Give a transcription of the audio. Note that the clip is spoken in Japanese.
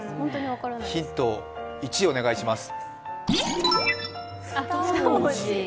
ヒント１をお願いします。